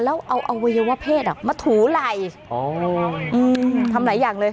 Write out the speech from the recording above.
แล้วเอาอวัยวะเพศอ่ะมาถูไหล่อืมทำหลายอย่างเลย